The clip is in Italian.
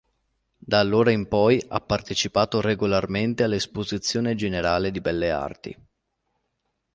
Da allora in poi ha partecipato regolarmente all'Esposizione Generale di Belle Arti.